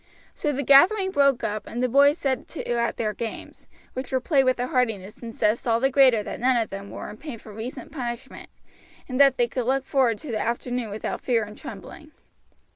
So the gathering broke up and the boys set to at their games, which were played with a heartiness and zest all the greater that none of them were in pain from recent punishment, and that they could look forward to the afternoon without fear and trembling.